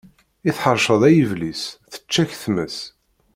I tḥeṛceḍ ay Iblis, tečča-k tmes.